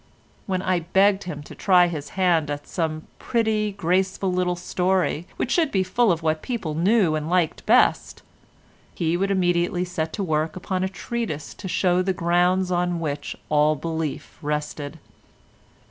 When I begged him to try his hand at some pretty, graceful, little story which should be full of whatever people knew and liked best, he would immediately set to work upon a treatise to show the grounds on which all belief rested.